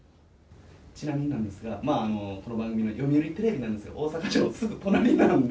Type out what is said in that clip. ちなみになんですが、この番組の、読売テレビなんですが、大阪城すぐ隣なんで。